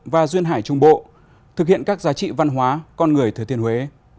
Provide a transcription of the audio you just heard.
và duyên hải trung bộ thực hiện các giá trị văn hóa con người thứ tiên huế